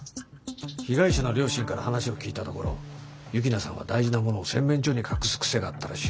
被害者の両親から話を聞いたところ幸那さんは大事なものを洗面所に隠す癖があったらしい。